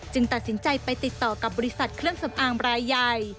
ตัดสินใจไปติดต่อกับบริษัทเครื่องสำอางรายใหญ่